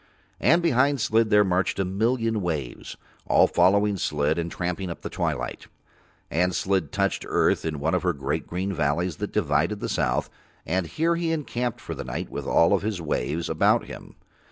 And behind Slid there marched a million waves, all following Slid and tramping up the twilight; and Slid touched Earth in one of her great green valleys that divide the south, and here he encamped for the night with all his waves about him.